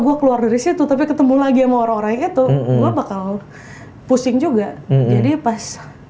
gue keluar dari situ tapi ketemu lagi sama orang orang itu gue bakal pusing juga jadi pas